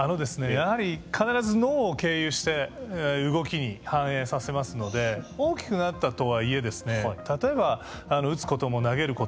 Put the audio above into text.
やはり必ず脳を経由して動きに反映させますので大きくなったとはいえ例えば打つことも投げることもそうです。